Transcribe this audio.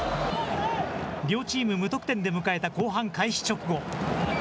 両チーム無得点で迎えた後半開始直後。